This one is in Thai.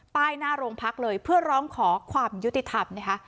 หน้าโรงพักเลยเพื่อร้องขอความยุติธรรมนะคะ